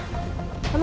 pantiasuhan mutiara bunda